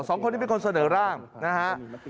สองคนนี้เป็นคนเสนอร่างนะฮะ